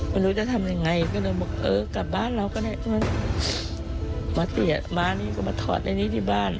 ไม่รู้จะทำยังไงก็เลยบอกเออกลับบ้านเราก็เนี่ยปกติมานี่ก็มาถอดไอ้นี่ที่บ้าน